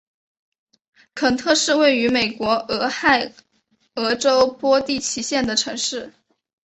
肯特是位于美国俄亥俄州波蒂奇县的城市。